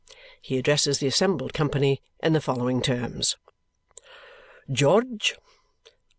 He addresses the assembled company in the following terms. "George.